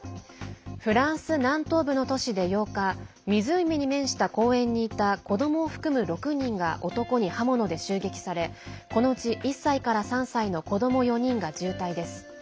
フランス南東部の都市で８日、湖に面した公園にいた子どもを含む６人が男に刃物で襲撃されこのうち、１歳から３歳の子ども４人が重体です。